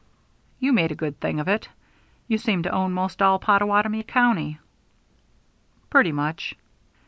"You made a good thing of it. You seem to own most all Pottawatomie County." "Pretty much."